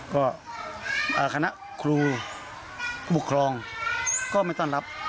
ก็คณะครูบุคลองก็ไม่ต้อนรับ